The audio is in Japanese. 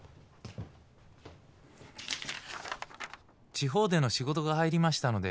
「地方での仕事が入りましたので」